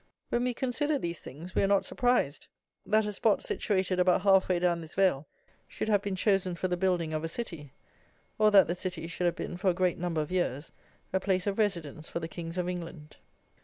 When we consider these things we are not surprised that a spot situated about half way down this vale should have been chosen for the building of a city, or that that city should have been for a great number of years a place of residence for the Kings of England.